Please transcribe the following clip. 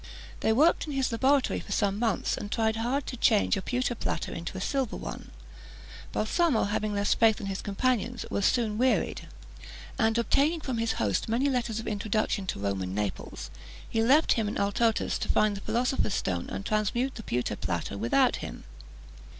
They worked in his laboratory for some months, and tried hard to change a pewter platter into a silver one. Balsamo, having less faith than his companions, was sooner wearied; and obtaining from his host many letters of introduction to Rome and Naples, he left him and Altotas to find the philosopher's stone and transmute the pewter platter without him.